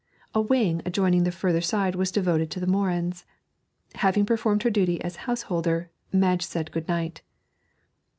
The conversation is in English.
A wing adjoining the further side was devoted to the Morins. Having performed her duty as householder, Madge said good night.